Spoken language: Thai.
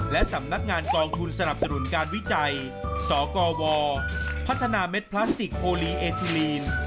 และสำนักงานกองทุนสนับสนุนการวิจัยสกวพัฒนาเม็ดพลาสติกโอลีเอทีลีน